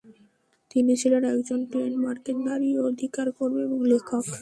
তিনি ছিলেন একজন ডেনমার্কের নারী অধিকার কর্মী এবং লেখক।